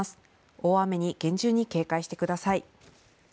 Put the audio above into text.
大雨に厳重に警戒してください。